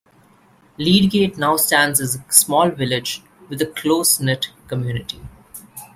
Leadgate now stands as a small village with a close-knit community.